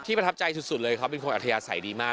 ประทับใจสุดเลยเขาเป็นคนอัธยาศัยดีมาก